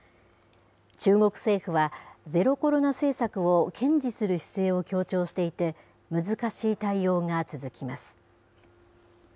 中国政府は、ゼロコロナ政策を堅持する姿勢を強調していて、難しい対応が続きます。